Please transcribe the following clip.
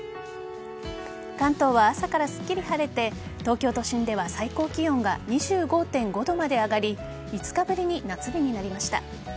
関東は朝からすっきり晴れて東京都心では最高気温が２５．５度まで上がり５日ぶりに夏日になりました。